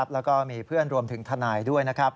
แล้วก็มีเพื่อนรวมถึงทนายด้วยนะครับ